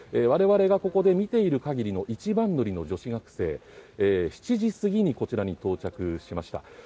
我々がここで見ている限りの一番乗りの女子学生７時過ぎにこちらに到着しました。